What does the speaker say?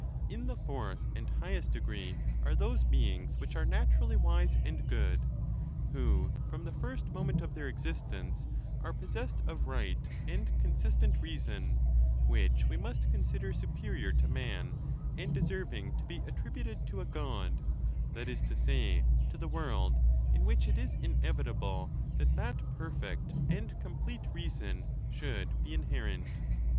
XIII. In the fourth and highest degree are those beings whicli are naturally wise and good, who from the first mo ment of tlieir existence are possessed of right and consist ent reason, which we must consider superior to man and deserving to be attributed to a God ; that is to say, to the world, in which it is inevitable that that perfect and com plete reason should be inherent.